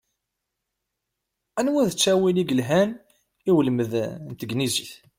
Anwa i d ttawil akk i yelhan i ulmad n tegnizit?